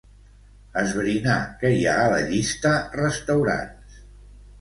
Esbrinar què hi ha a la llista "restaurants".